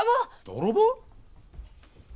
泥棒？